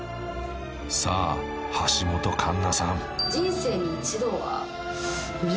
［さあ橋本環奈さん］